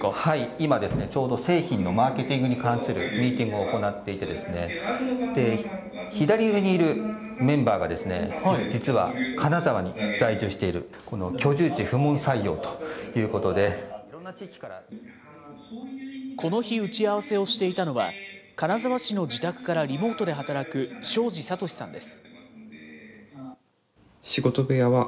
今、ちょうど製品のマーケティングに関するミーティングを行っていて、左上にいるメンバーが、実は金沢に在住している、この日、打ち合わせをしていたのは、金沢市の自宅からリモートで働く東海林賢史さんです。